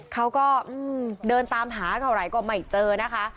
เขาก็เดินตามหาเกิดเกิดก็ไม่เจอนะคะ